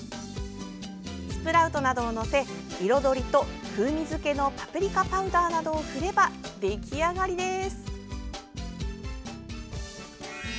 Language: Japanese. スプラウトなどを載せ彩りと風味づけのパプリカパウダーなどを振れば出来上がりです。